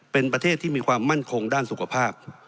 เป็นประเทศที่มีความมั่นคงด้านสุขภาพ